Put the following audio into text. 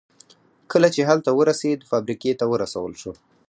کله چې هلته ورسېد فابریکې ته ورسول شو